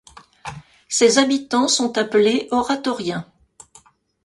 Ses habitants sont appelés Oratoriens.